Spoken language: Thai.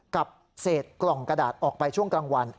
กับเศษกล่องกระดาษออกไปช่วงกลางวัน